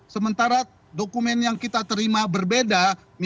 sementara dokumen yang kita terima berbeda